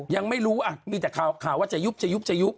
ยังไม่รู้มีแต่ข่าวว่าจะยุบจะยุบจะยุบ